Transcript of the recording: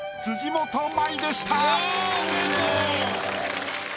いやおめでとう！